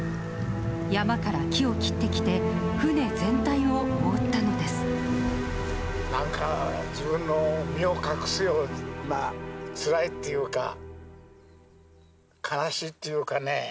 山から木を切ってきて、船全体をなんか、自分の身を隠すような、つらいっていうか、悲しいっていうかね、